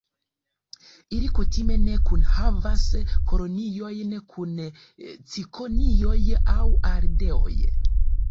Ili kutime ne kunhavas koloniojn kun cikonioj aŭ ardeoj.